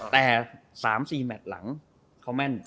แต่๓๔แมทหลังเขาแม่น